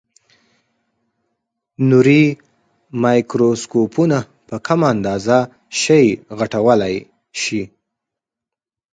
نوري مایکروسکوپونه په کمه اندازه شی غټولای شي.